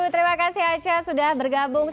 terima kasih aceh sudah bergabung